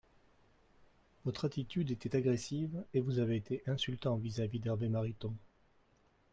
Votre attitude était agressive et vous avez été insultant vis-à-vis d’Hervé Mariton.